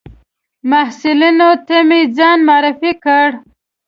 محصلینو ته مې ځان معرفي کړ.